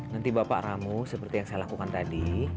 nanti bapak ramu seperti yang saya lakukan tadi